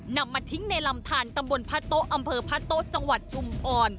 นำมาทิ้งในลำทานตำบลพระโต๊ะอำเภอพระโต๊ะจังหวัดชุมพร